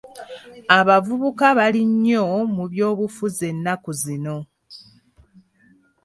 Abavubuka bali nnyo mu by'obufuzi ennaku zino.